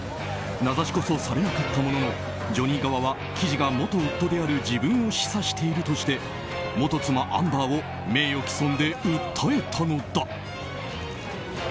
名指しこそされなかったもののジョニー側は記事が元夫である自分を示唆しているとして元妻アンバーを名誉毀損で訴えたのだ。